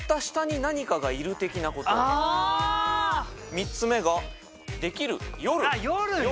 ３つ目が出来る「夜」。